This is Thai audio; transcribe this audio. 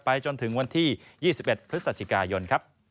ไปจนถึงวันที่๒๑พฤษฎิกายน